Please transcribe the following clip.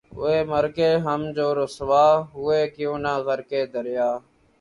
ہوئے مر کے ہم جو رسوا ہوئے کیوں نہ غرقِ دریا